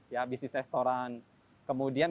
ya bisnis restoran kemudian